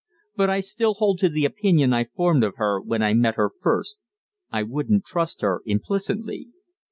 But I still hold to the opinion I formed of her when I met her first I wouldn't trust her implicitly."